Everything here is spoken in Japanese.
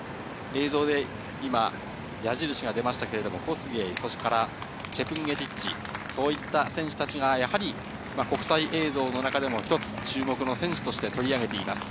矢印が出ましたが、コスゲイ、チェプンゲティッチ、そういった選手たちが、国際映像の中でも一つ注目の選手として取り上げています。